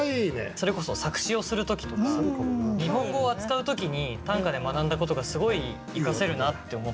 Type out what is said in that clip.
それこそ作詞をする時とか日本語を扱う時に短歌で学んだことがすごい活かせるなって思ったんで。